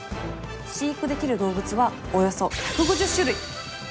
飼育できる動物はおよそ１５０種類。